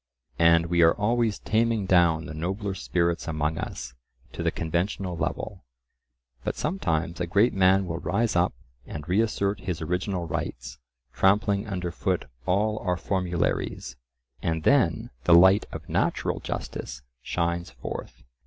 And we are always taming down the nobler spirits among us to the conventional level. But sometimes a great man will rise up and reassert his original rights, trampling under foot all our formularies, and then the light of natural justice shines forth.